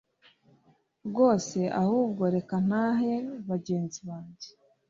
rwose ahubwo reka ntahe bagenzi bajye